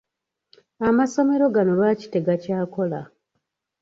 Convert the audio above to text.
Amasomero gano lwaki tegakyakola?